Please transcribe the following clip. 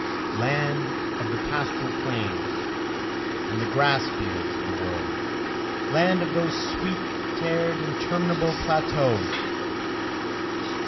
Land of the pastoral plains, the grass fields of the world! land of those sweet air'd interminable plateaus!